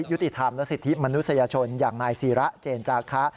ยุติธรรมและสิทธิมนุษยชนอย่างนายศิระเจนจาคะ